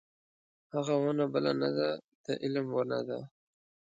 هغه ونه بله نه ده د علم ونه ده.